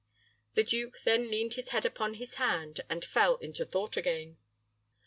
'" The duke then leaned his head upon his hand, and fell into thought again.